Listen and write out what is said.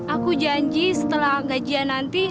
aku janji setelah gajian nanti